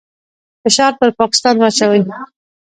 فشار پر پاکستان واچوي.